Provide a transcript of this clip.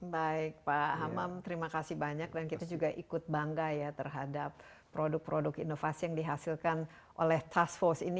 baik pak hamam terima kasih banyak dan kita juga ikut bangga ya terhadap produk produk inovasi yang dihasilkan oleh task force ini